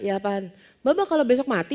ya apaan mbak mbak kalau besok mati